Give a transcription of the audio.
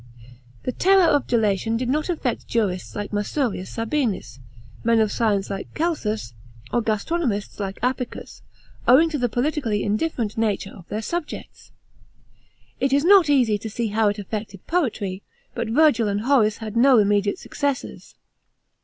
The terror of delation did not affect jurists like MASUBIUS SABINUS, men of science like CELSUS, or gastronomists like Aricius, owing to the politically indifferent nature of their subjects. It is not easy to see ^w it affected poetry, but Virgil and Horace had no immediate successors.